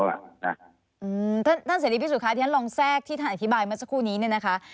อืมเท่านเศรษฐีพิสุขาที่ฉันลองแทรกที่ท่านอธิบายมาเจ้าคู่นี้นะคะ